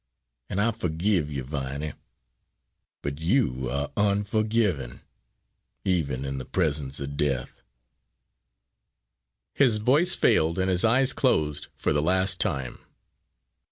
And I forgive you, Viney; but you are unforgiving even in the presence of death." His voice failed, and his eyes closed for the last time.